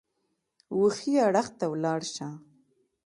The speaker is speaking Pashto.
وښي اړخ ته ولاړ شه !